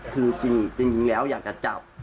คือจริงแล้วอยากจะจับ